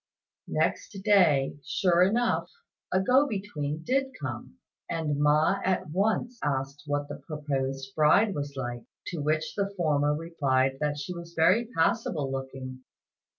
Next day, sure enough, a go between did come, and Ma at once asked what the proposed bride was like; to which the former replied that she was very passable looking.